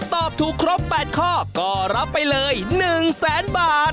ตอบถูกครบ๘ข้อก็รับไปเลย๑แสนบาท